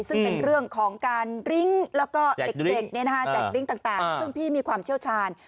ซึ่งเป็นเรื่องของการริ้งแล้วก็เด็กแจกริ้งต่างซึ่งพี่มีความเชี่ยวชาญ